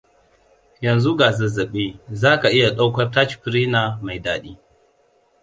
yanzu ga zazzabi zaka iya ɗaukar tachipirina mai daɗi